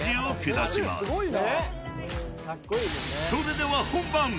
［それでは本番］